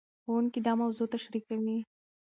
ښوونکي دا موضوع تشريح کوي.